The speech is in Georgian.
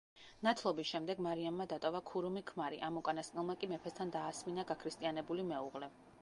ნათლობის შემდეგ მარიამმა დატოვა ქურუმი ქმარი, ამ უკანასკნელმა კი მეფესთან დაასმინა გაქრისტიანებული მეუღლე.